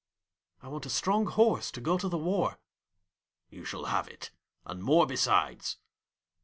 'I want a strong horse to go to the war.' 'You shall have it, and more besides.'